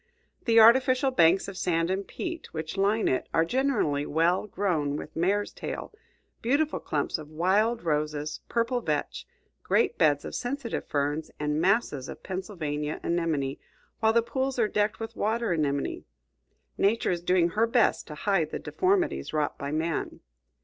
The artificial banks of sand and peat which line it are generally well grown with mare's tail, beautiful clumps of wild roses, purple vetch, great beds of sensitive ferns, and masses of Pennsylvania anemone, while the pools are decked with water anemone. Nature is doing her best to hide the deformities wrought by man.